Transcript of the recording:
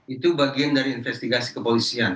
itu bagian dari investigasi kepolisian